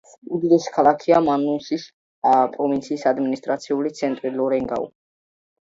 უდიდესი ქალაქია მანუსის პროვინციის ადმინისტრაციული ცენტრი ლორენგაუ.